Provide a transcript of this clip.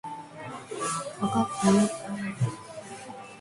わかったよ